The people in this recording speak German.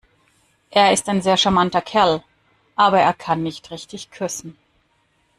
Er ist ein sehr charmanter Kerl, aber er kann nicht richtig küssen.